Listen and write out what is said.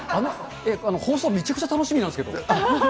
放送、めちゃくちゃ楽しみなんですけど。